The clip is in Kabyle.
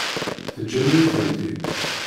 Teǧǧam-iyi-tent-id.